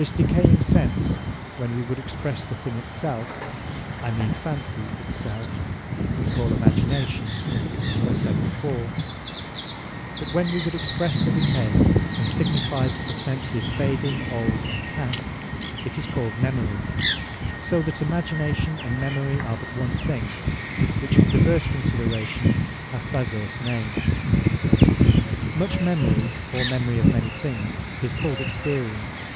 This Decaying Sense, when wee would express the thing it self, (I mean Fancy it selfe,) wee call Imagination, as I said before; But when we would express the Decay, and signifie that the Sense is fading, old, and past, it is called Memory. So that Imagination and Memory, are but one thing, which for divers considerations hath divers names. Much memory, or memory of many things, is called Experience.